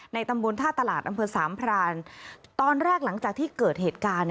ตำบลท่าตลาดอำเภอสามพรานตอนแรกหลังจากที่เกิดเหตุการณ์